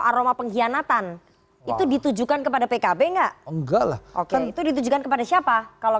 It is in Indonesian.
aroma pengkhianatan itu ditujukan kepada p surely itu ditujukan kepada siapa kalau